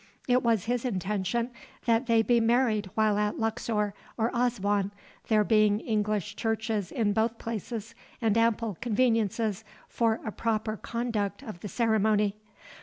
It was his intention that they be married while at Luxor or Aswan, there being English churches in both places and ample conveniences for a proper conduct of the ceremony.